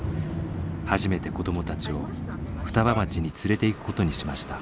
初めて子どもたちを双葉町に連れて行くことにしました。